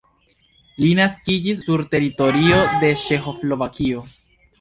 Li naskiĝis sur teritorio de Ĉeĥoslovakio.